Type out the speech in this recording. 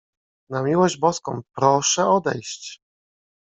"Na miłość Boską, proszę odejść!"